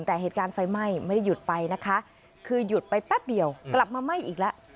แต่เหตุการณ์ไฟไหม้ไม่ได้หยุดไปนะคะคือหยุดไปแป๊บเดียวกลับมาไหม้อีกแล้ว